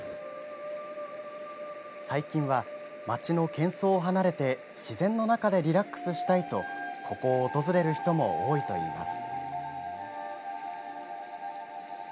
最近は、町のけん噪を離れて自然の中でリラックスしたいとここを訪れる人も多いといいます。